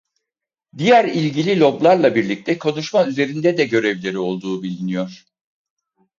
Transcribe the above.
Diğer ilgili loblarla birlikte konuşma üzerinde de görevleri olduğu biliniyor.